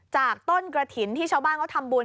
จากต้นกระถิ่นที่ชาวบ้านเขาทำบุญ